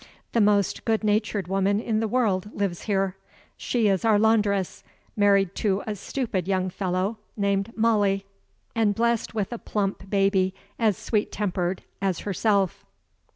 The most good natured woman in the world lives here. She is our laundress married to a stupid young fellow named Molly, and blessed with a plump baby as sweet tempered at herself.